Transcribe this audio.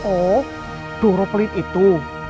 oh doro pelit itu